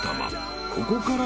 ［ここから］